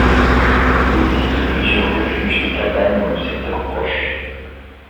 Il existe plusieurs refuges et cabanes dans le secteur proche.